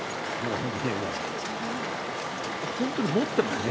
本当に持ってます？